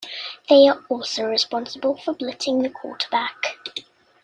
They are also responsible for blitzing the quarterback.